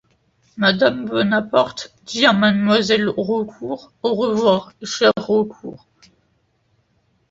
madame Bonaparte dit à Mademoiselle Raucourt : «Au revoir, chère Raucourt.